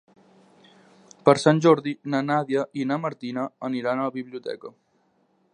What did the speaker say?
Per Sant Jordi na Nàdia i na Martina aniran a la biblioteca.